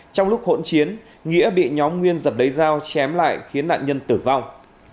trong lúc hỗn chiến nghĩa bị nhóm nguyên giật lấy dao chém lại khiến nạn nhân tử vong